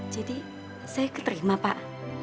jadi saya keterima pak